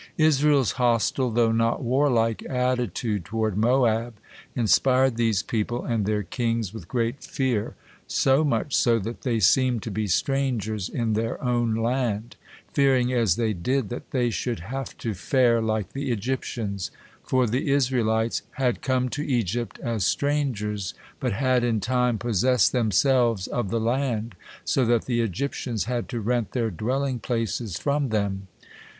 Israel's hostile, though not warlike, attitude toward Moab inspired these people and their kings with great fear, so much so that they seemed to be strangers in their own land, fearing as they did that they should have to fare like the Egyptians; for the Israelites had come to Egypt as strangers, but had in time possessed themselves of the land so that the Egyptians had to rent their dwelling places from them.